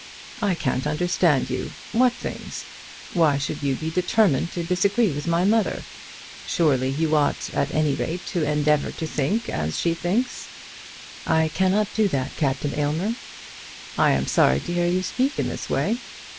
"I can't understand you. What things? Why should you be determined to disagree with my mother? Surely you ought at any rate to endeavour to think as she thinks." "I cannot do that, Captain Aylmer." "I am sorry to hear you speak in this way.